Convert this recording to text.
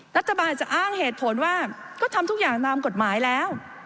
รัฐบาลจะอ้างเหตุผลว่าก็ทำทุกอย่างตามกฎหมายแล้ว